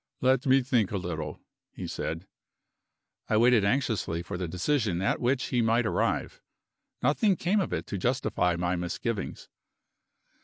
"Let me think a little," he said. I waited anxiously for the decision at which he might arrive. Nothing came of it to justify my misgivings.